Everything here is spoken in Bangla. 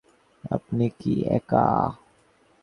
আপনি কি একা?